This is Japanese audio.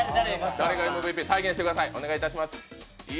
誰がＭＶＰか、再現してください。